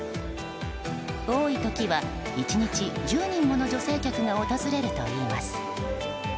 多い時は１日１０人もの女性客が訪れるといいます。